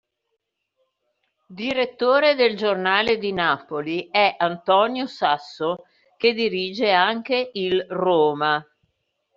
Direttore del Giornale di Napoli è Antonio Sasso, che dirige anche il "Roma".